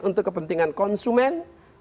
untuk kepentingan konsumen